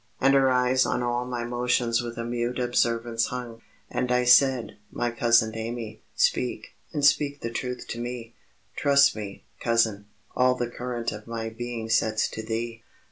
And her eyes on all my motions with a mute observance hung. And I said "My cousin Amy, speak, and speak the truth to me, Trust me, cousin, all the current of my being sets to thee."